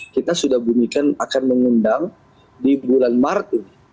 kita sudah bunyikan akan mengundang di bulan maret